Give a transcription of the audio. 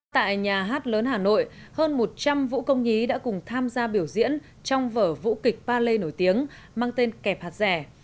tại nhà hát lớn hà nội hơn một trăm linh vũ công nhí đã cùng tham gia biểu diễn trong vở vũ kịch palet nổi tiếng mang tên kẹp hạt rẻ